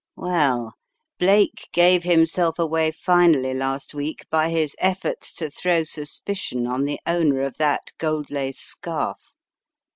Well, Blake gave himself away finally last week by his efforts to throw suspicion on the owner of that gold lace scarf.